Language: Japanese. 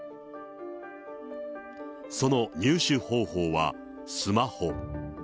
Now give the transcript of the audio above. その入手方法はスマホ。